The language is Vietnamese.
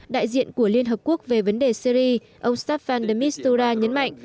đại diện của liên hợp quốc về vấn đề syri ông staffan demistura nhấn mạnh